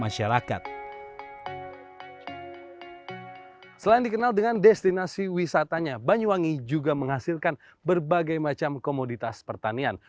selain dikenal dengan destinasi wisatanya banyuwangi juga menghasilkan berbagai macam komoditas pertanian